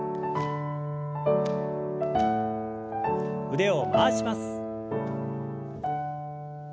腕を回します。